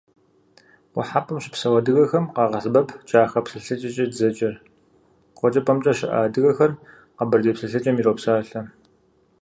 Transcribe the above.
Къухьэпӏэм щыпсэу адыгэхэм къагъэсэбэп кӏахэ псэлъэкӏэкӏэ дызэджэр, къуэкӏыпӏэмкӏэ щыӏэ адыгэхэр къэбэрдей псэлъэкӏэм иропсалъэ.